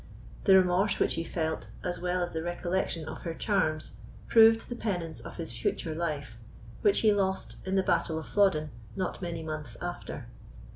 The remorse which he felt, as well as the recollection of her charms, proved the penance of his future life, which he lost in the battle of Flodden not many months after.